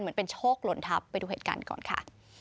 เหมือนเป็นโชคหล่นทับไปดูเหตุการณ์ก่อนค่ะ